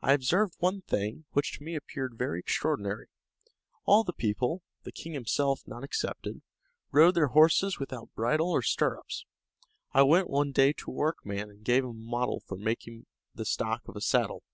I observed one thing, which to me appeared very extraordinary. All the people, the king himself not excepted, rode their horses without bridle or stirrups. I went one day to a workman, and gave him a model for making the stock of a saddle.